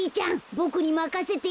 ボクにまかせて。